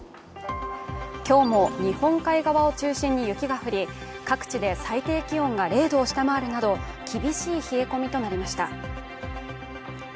今日も日本海側を中心に雪が降り各地で最低気温が０度を下回るなど厳しい冷え込みとなりました。